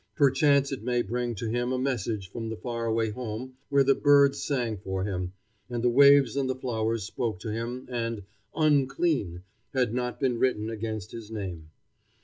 Perchance it may bring to him a message from the far away home where the birds sang for him, and the waves and the flowers spoke to him, and "Unclean" had not been written against his name.